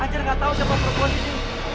anjar gak tahu siapa perempuan ini